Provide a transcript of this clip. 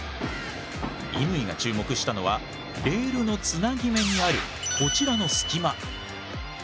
乾が注目したのはレールのつなぎ目にあるこちらの隙間。